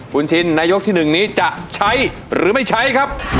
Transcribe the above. คุณชินในยกที่๑นี้จะใช้หรือไม่ใช้ครับ